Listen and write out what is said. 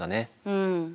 うん。